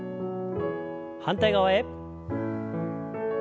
反対側へ。